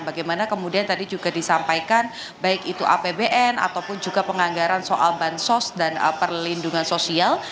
bagaimana kemudian tadi juga disampaikan baik itu apbn ataupun juga penganggaran soal bansos dan perlindungan sosial